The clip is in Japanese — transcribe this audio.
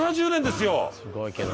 すごいけど。